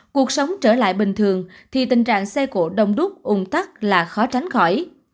cuộc sống trở lại bình thường thì tình trạng xe cổ đông đúc ủng tắc là khó tránh khỏi